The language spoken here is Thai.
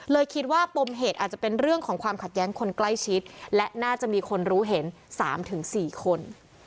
คิดว่าปมเหตุอาจจะเป็นเรื่องของความขัดแย้งคนใกล้ชิดและน่าจะมีคนรู้เห็น๓๔คน